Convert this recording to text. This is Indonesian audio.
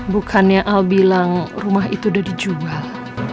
bukannya al bilang rumah itu udah dijual